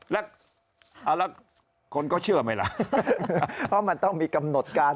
แล้วเอาแล้วคนก็เชื่อไหมล่ะเพราะมันต้องมีกำหนดการ